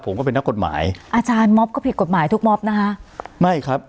ผมก็เป็นนักกฎหมายอาจารย์มอบก็ผิดกฎหมายทุกม็อบนะคะไม่ครับ